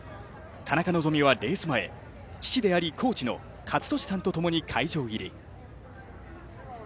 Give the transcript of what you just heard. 田中希実はレース前、父でありコーチの健智さんと共に会場入り。